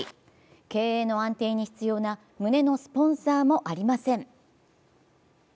経営の安定に必要な胸のスポンサーもありません。